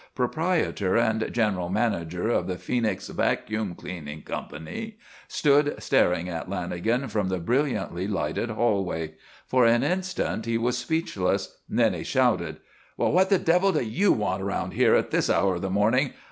proprietor and general manager of the Phoenix Vacuum Cleaning Company stood staring at Lanagan from the brilliantly lighted hallway. For an instant he was speechless. Then he shouted: "Well, what the devil do you want around here at this hour of the morning?